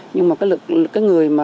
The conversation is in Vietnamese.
nhưng mà cái người mà